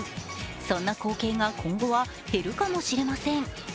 そんな光景が今後は減るかもしれません。